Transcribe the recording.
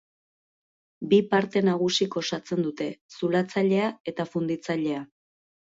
Bi parte nagusik osatzen dute: zulatzailea eta funditzailea.